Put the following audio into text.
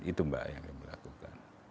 itu mbak yang akan melakukan